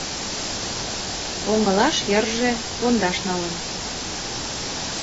Оҥылаш йырже пондаш налын.